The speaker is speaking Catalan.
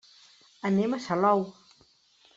Anem a Salou.